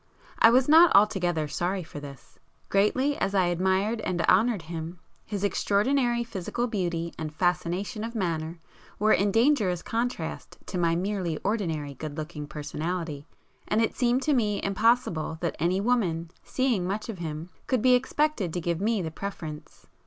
I was not altogether sorry for this. Greatly as I admired and honoured him, his extraordinary physical beauty and fascination of manner were in dangerous contrast to my merely 'ordinary good looking' personality, and it seemed to me impossible that any woman, seeing much of him, could be expected to give me the preference.